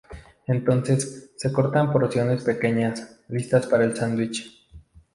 Entonces se cortan porciones pequeñas, listas para el sándwich.